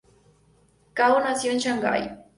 Kao nació en Shanghái.